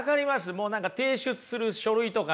もう何か提出する書類とかね。